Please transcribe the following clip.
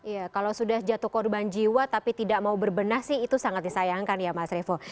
ya kalau sudah jatuh korban jiwa tapi tidak mau berbenah sih itu sangat disayangkan ya mas revo